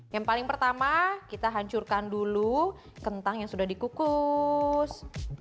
yang paling pertama kita hancurkan dulu kentang yang sudah dikukus